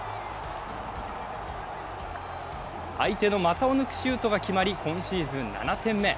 相手の股を抜くシュートが決まり今シーズン７点目。